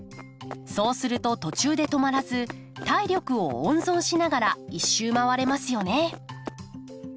そうすると途中で止まらず体力を温存しながら１周回れますよね。